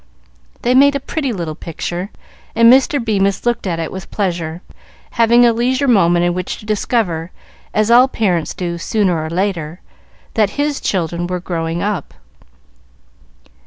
They made a pretty little picture, and Mr. Bemis looked at it with pleasure, having a leisure moment in which to discover, as all parents do sooner or later, that his children were growing up.